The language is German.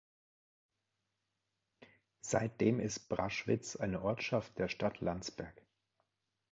Seitdem ist Braschwitz eine Ortschaft der Stadt Landsberg.